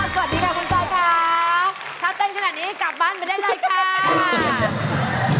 สวัสดีค่ะคุณจอยค่ะถ้าเต้นขนาดนี้กลับบ้านไปได้เลยค่ะ